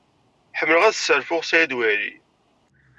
Ḥemmleɣ ad sserfuɣ Saɛid Waɛli.